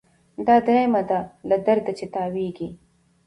دا دریمه ده له درده چي تاویږي